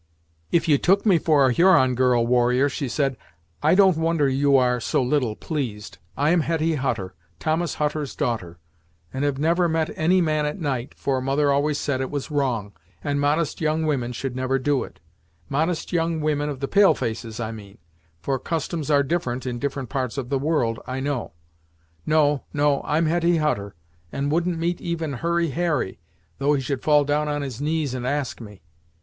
"If you took me for a Huron girl, warrior," she said, "I don't wonder you are so little pleased. I am Hetty Hutter, Thomas Hutter's daughter, and have never met any man at night, for mother always said it was wrong, and modest young women should never do it; modest young women of the pale faces, I mean; for customs are different in different parts of the world, I know. No, no; I'm Hetty Hutter, and wouldn't meet even Hurry Harry, though he should fall down on his knees and ask me!